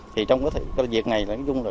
thì trong cái việc này nói chung là